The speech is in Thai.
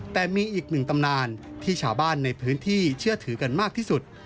แต่มีอีกหนึ่งตำนานที่ชาวบ้านในพื้นที่เชื่อถือกันมากที่สุด